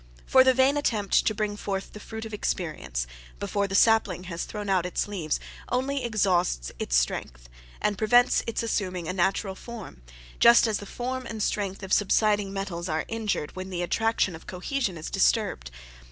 For the vain attempt to bring forth the fruit of experience, before the sapling has thrown out its leaves, only exhausts its strength, and prevents its assuming a natural form; just as the form and strength of subsiding metals are injured when the attraction of cohesion is disturbed.